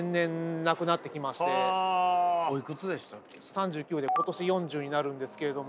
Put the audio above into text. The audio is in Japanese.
３９で今年４０になるんですけれども。